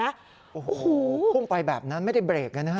โอ้โหพุ่งไปแบบนั้นไม่ได้เบรกเลยนะฮะ